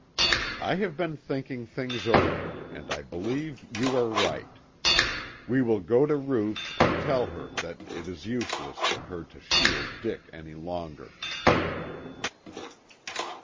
"I have been thinking things over and I believe you are right. We will go to Ruth and tell her that it is useless for her to shield Dick any longer."